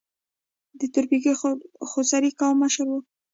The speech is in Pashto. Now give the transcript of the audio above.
د تورپیکۍ خوسر قومي مشر دی.